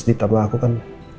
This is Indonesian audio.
di tabah aku kan